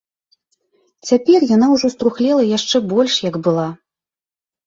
Цяпер яна ўжо струхлела яшчэ больш, як была.